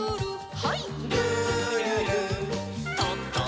はい。